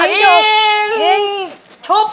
เรียกประกันแล้วยังคะ